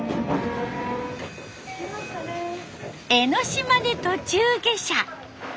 江ノ島で途中下車。